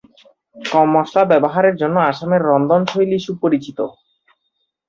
কম মশলা ব্যবহারের জন্য আসামের রন্ধনশৈলী সুপরিচিত।